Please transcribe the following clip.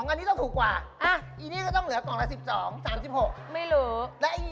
อันนี้ต้องถูก๒อันนี้ต้องถูกกว่า